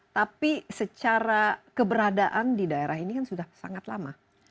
tapi secara keberadaan di daerah ini kan sudah sangat lama